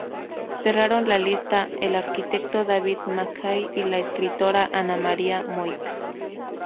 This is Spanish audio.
Cerraron la lista el arquitecto David Mackay y la escritora Ana María Moix.